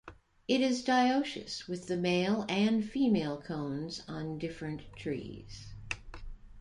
It is dioecious, with the male and female cones on different trees.